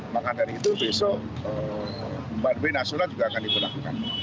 maka dari itu besok empat b nasional juga akan diperlakukan